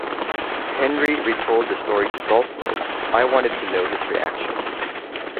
Henri retold the story to "Golf World" "I wanted to know his reaction.